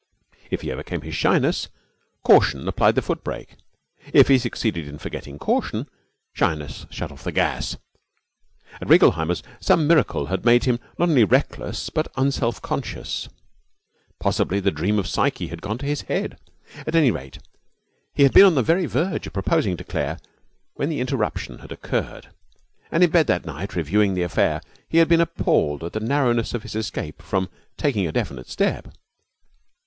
If he overcame his shyness, caution applied the foot brake. If he succeeded in forgetting caution, shyness shut off the gas. At Reigelheimer's some miracle had made him not only reckless but un self conscious. Possibly the Dream of Psyche had gone to his head. At any rate, he had been on the very verge of proposing to Claire when the interruption had occurred, and in bed that night, reviewing the affair, he had been appalled at the narrowness of his escape from taking a definite step.